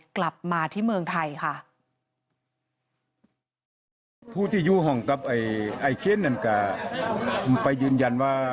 กลับมาที่เมืองไทยค่ะ